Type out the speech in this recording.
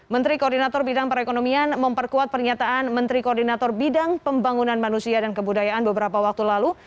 menteri koordinator bidang perekonomian memperkuat pernyataan menteri koordinator bidang pembangunan manusia dan kebudayaan beberapa waktu lalu